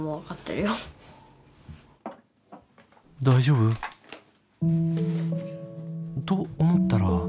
大丈夫？と思ったら。